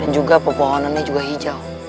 dan juga pepohonannya juga hijau